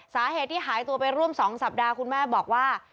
สาเหตุที่หายตัวไปร่วม๒สัปดาห์คุณแม่บอกว่า